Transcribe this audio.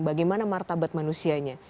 bagaimana martabat manusianya